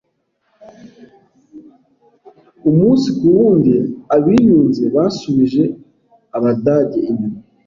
Umunsi kuwundi, Abiyunze basubije Abadage inyuma.